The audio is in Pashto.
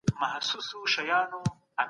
د شیدو استعمال د غاښونو لپاره ښه دی.